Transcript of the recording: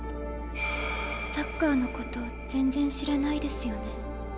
サッカーのこと全然知らないですよね。